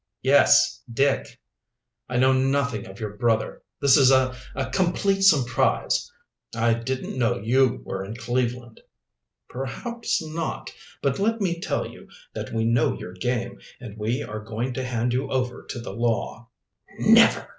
"Yes, Dick." "I know nothing of your brother. This is a a complete surprise. I didn't know you were in Cleveland." "Perhaps not. But let me tell you that we know your game, and we are going to hand you over to the law." "Never!"